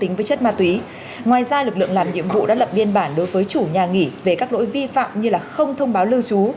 ngoài ra lực lượng làm nhiệm vụ đã lập biên bản đối với chủ nhà nghỉ về các lỗi vi phạm như không thông báo lưu trú